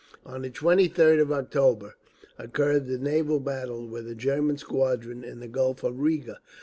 On the 23rd of October occurred the naval battle with a German squadron in the Gulf of Riga.